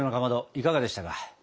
いかがでしたか？